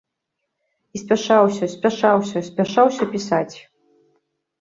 І спяшаўся, спяшаўся, спяшаўся пісаць.